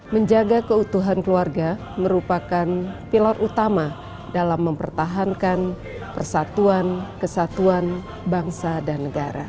menjaga keutuhan keluarga merupakan pilar utama dalam mempertahankan persatuan kesatuan bangsa dan negara